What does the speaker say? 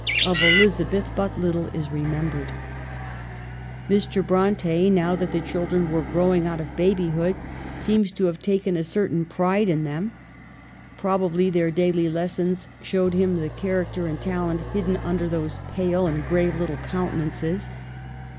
Of Elizabeth but little is remembered. Mr. Bronte, now that the children were grow ing out of babyhood, seems to have taken a certain pride in them. Probably their daily les sons showed him the character and talent hidden under those pale and grave little countenances.